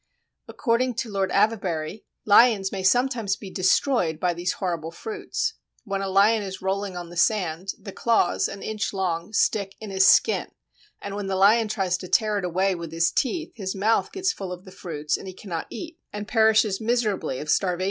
According to Lord Avebury, lions may sometimes be destroyed by these horrible fruits. When a lion is rolling on the sand, the claws (an inch long) stick in his skin, and when the lion tries to tear it away with his teeth his mouth gets full of the fruits and he cannot eat, and perishes miserably of starvation.